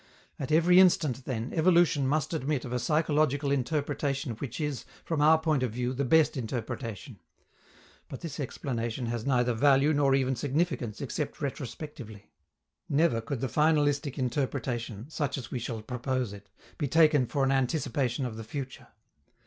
At every instant, then, evolution must admit of a psychological interpretation which is, from our point of view, the best interpretation; but this explanation has neither value nor even significance except retrospectively. Never could the finalistic interpretation, such as we shall propose it, be taken for an anticipation of the future.